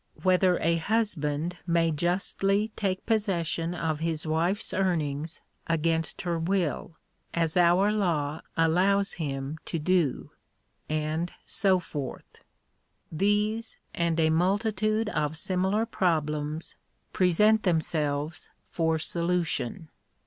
whether a husband may justly take possession of his wife's earnings against her will, as our law allows him to do ?— and so forth. These, and a multitude of similar problems, present themselves for solution.